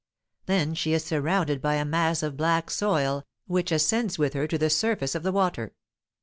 Then she is surrounded by a mass of black soil, which ascends with her to the surface of the water.